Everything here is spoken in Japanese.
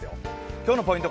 今日のポイント